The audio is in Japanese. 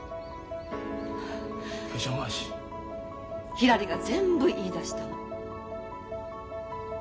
ひらりが全部言いだしたの。